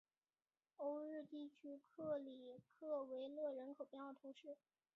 欧日地区克里克维勒人口变化图示